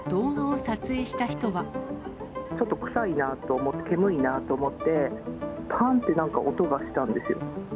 ちょっと臭いなと思って、煙いなと思って、ぱんってなんか音がしたんですよ。